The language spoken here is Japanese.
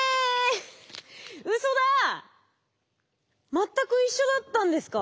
全く一緒だったんですか？